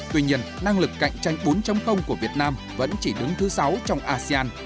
tuy nhiên năng lực cạnh tranh bốn của việt nam vẫn chỉ đứng thứ sáu trong asean